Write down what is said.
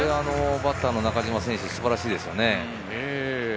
バッターの中島選手、素晴らしいですね。